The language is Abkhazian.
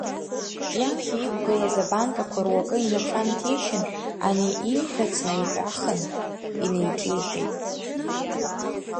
Иаԥхьа иқәгылаз абанкақәа руакы инацәа нҭишьын, ани ииҳәац наиҳәахын инеиҿиҳәеит.